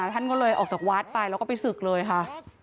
ท่านก็เลยออกจากวัดไปแล้วก็ไปศึกเลยค่ะ